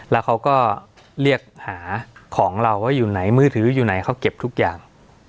แล้วเขาก็เรียกหาของเราว่าอยู่ไหนมือถืออยู่ไหนเขาเก็บทุกอย่าง